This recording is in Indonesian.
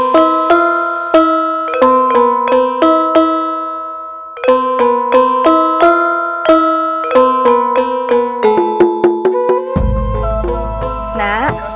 terima kasih ya